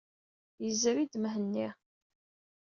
Yezri-d Mhenni.